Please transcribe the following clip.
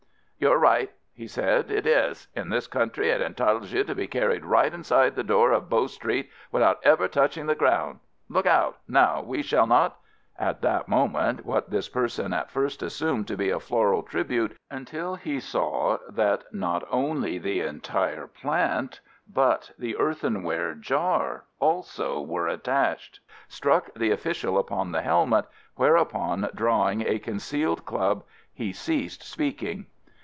"You're right," he said, "it is. In this country it entitles you to be carried right inside the door at Bow Street without ever touching the ground. Look out! Now we shall not " At that moment what this person at first assumed to be a floral tribute, until he saw that not only the entire plant, but the earthenware jar also were attached, struck the official upon the helmet, whereupon, drawing a concealed club, he ceased speaking.